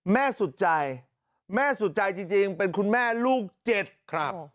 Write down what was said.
แม่สุดใจแม่สุดใจจริงเป็นคุณแม่ลูก๗